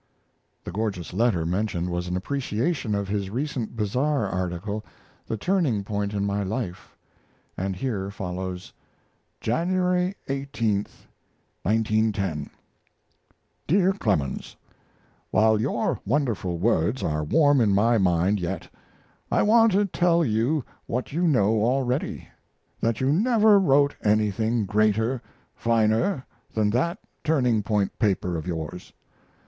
The "gorgeous letter" mentioned was an appreciation of his recent Bazar article, "The Turning Point in My Life," and here follows: January 18, 1910. DEAR CLEMENS, While your wonderful words are warm in my mind yet I want to tell you what you know already: that you never wrote anything greater, finer, than that turning point paper of yours.